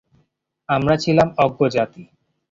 আমরা ছিলাম অজ্ঞ জাতি।